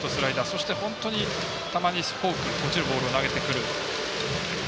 そして本当に、たまにフォーク落ちるボールを投げてくる。